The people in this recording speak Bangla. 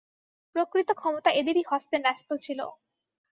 প্রকৃত ক্ষমতা এঁদেরই হস্তে ন্যস্ত ছিল।